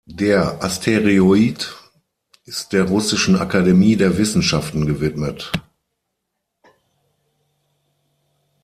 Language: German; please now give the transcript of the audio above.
Der Asteroid ist der Russischen Akademie der Wissenschaften gewidmet.